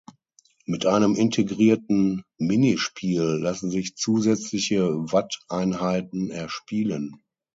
Mit einem integrierten Minispiel lassen sich zusätzliche Watt-Einheiten erspielen.